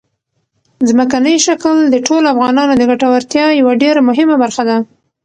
ځمکنی شکل د ټولو افغانانو د ګټورتیا یوه ډېره مهمه برخه ده.